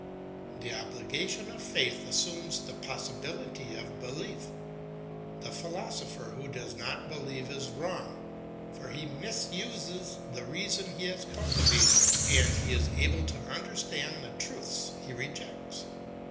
The obligation of faith assumes the possibility of belief. The philosopher who does not believe is wrong, for he misuses the reason he has cultivated, and he is able to understand the truths he rejects.